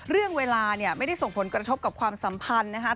เรื่องเวลาเนี่ยไม่ได้ส่งผลกระทบกับความสัมพันธ์นะคะ